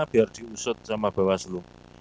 biar diusut sama bawah selu